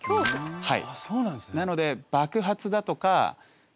はい。